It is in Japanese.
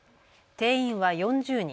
定員は４０人。